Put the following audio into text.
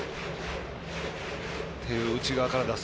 手を内側から出す。